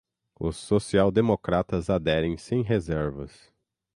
os social-democratas aderem sem reservas